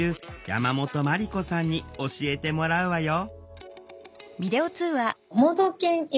山本真理子さんに教えてもらうわよ